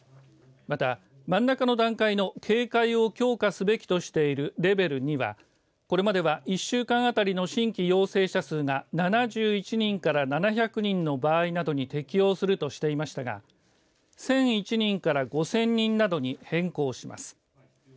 また、真ん中の段階の警戒を強化すべきとしているレベル２はこれまでは１週間あたりの新規陽性者数が７１人から７００人の場合などに適用するとしていましたが１００１人から５０００人などに変更します。